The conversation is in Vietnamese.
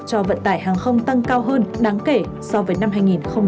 cho vận tải hàng không tăng cao hơn đáng kể so với năm hai nghìn hai mươi một